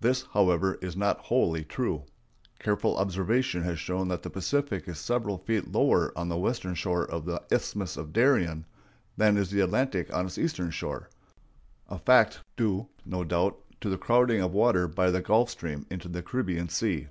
This, however, is not wholly true. Careful observation has shown that the Pacific is several feet lower on the western shore of the Isthmus of Darien than is the Atlantic on its eastern shore—a fact due, no doubt, to the crowding of water by the Gulf Stream into the Caribbean Sea.